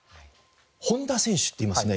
本多選手っていますね。